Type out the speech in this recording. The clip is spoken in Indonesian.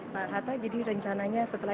pak hatta jadi rencananya setelah